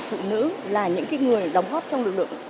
phụ nữ là những người đóng góp trong lực lượng